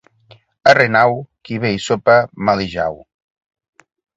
A Renau qui bé hi sopa, mal hi jau.